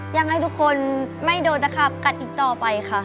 อยากให้ทุกคนไม่โดนตะขาบกัดอีกต่อไปค่ะ